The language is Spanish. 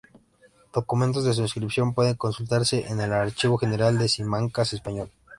Documentos de su inscripción pueden consultarse en el Archivo General de Simancas español.